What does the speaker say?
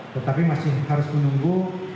tetapi masih harus menunggu